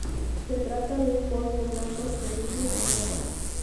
Se trata de un polvo blanco soluble en agua.